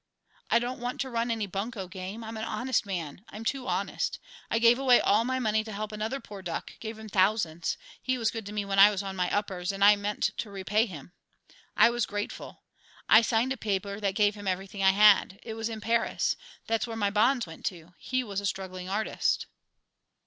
I don't want to run any bunco game. I'm an honest man I'm too honest. I gave away all my money to help another poor duck; gave him thousands, he was good to me when I was on my uppers and I meant to repay him. I was grateful. I signed a paper that gave him everything I had. It was in Paris. There's where my bonds went to. He was a struggling artist."